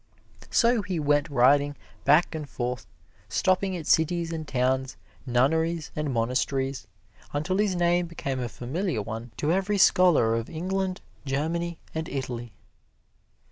So he went riding back and forth, stopping at cities and towns, nunneries and monasteries, until his name became a familiar one to every scholar of England, Germany and Italy.